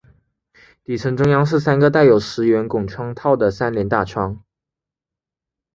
底层中央是三个带有石圆拱窗套的三联大窗。